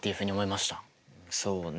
そうね。